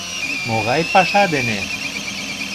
Могай паша дене?